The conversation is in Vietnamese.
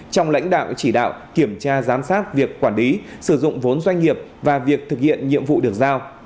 trong lãnh đạo chỉ đạo kiểm tra giám sát việc quản lý sử dụng vốn doanh nghiệp và việc thực hiện nhiệm vụ được giao